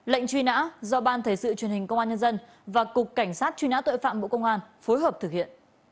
lệnh truy nã do ban thể sự truyền hình công an nhân dân và cục cảnh sát truy nã tội phạm bộ công an phối hợp thực hiện